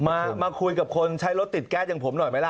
มาคุยกับคนใช้รถติดแก๊สอย่างผมหน่อยไหมล่ะ